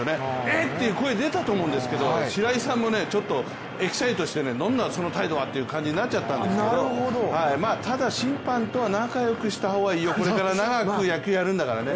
えっ、っていう声が出たと思うんだけど、白井さんもちょっとエキサイトして何だ、その態度はっていう感じになっちゃったんですけどただ、審判とは仲よくしたほうがいい、これから長く野球やるんだからね。